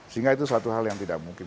sehingga itu satu hal yang tidak mungkin